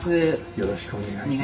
よろしくお願いします。